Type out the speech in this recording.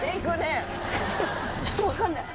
ちょっと分かんない。